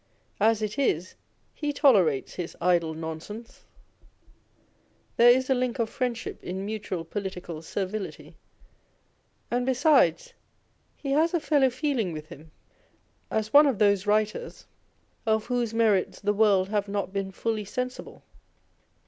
As it is, he tolerates his idle nonsense : there is a link of friendship in mutual political servility ; and besides, he lias a fellow feeling with him, as one of those writers of whose merits On Envy. 143 the world have not been fully sensible.